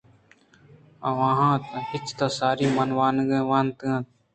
آواں اچ تو ساری من ونتگ اَت